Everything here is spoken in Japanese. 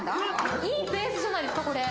いいペースじゃないですか？